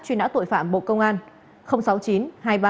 truy nã tội phạm bộ công an